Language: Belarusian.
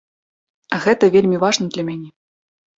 А гэта вельмі важна для мяне.